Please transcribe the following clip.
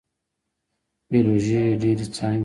بیولوژي ډیرې څانګې لري